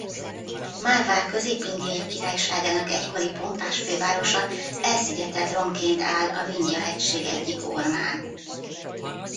Málvá közép-indiai királyságának egykori pompás fővárosa elszigetelt romként áll a Vindhja-hegység egyik ormán.